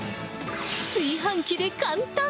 炊飯器で簡単！